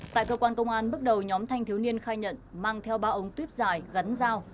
tại cơ quan công an bước đầu nhóm thanh thiếu niên khai nhận mang theo ba ống tuyếp dài gắn dao